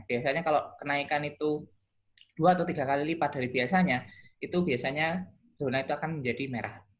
biasanya kalau kenaikan itu dua atau tiga kali lipat dari biasanya itu biasanya zona itu akan menjadi merah